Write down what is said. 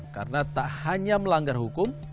karena tak hanya melanggar hukum